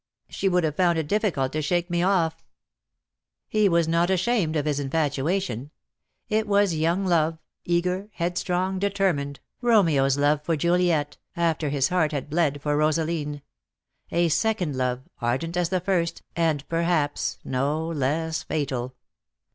"She would have found "it difficult to shake me off." He was not ashamed of his infatuation. It was young love, eager, headstrong, determined, Romeo's love for Juliet, after his heart had bled for Rosaline; a second love, ardent as the first, and perhaps no less fatal.